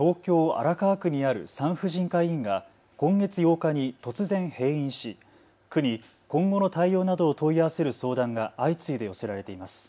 荒川区にある産婦人科医院が今月８日に突然閉院し区に今後の対応などを問い合わせる相談が相次いで寄せられています。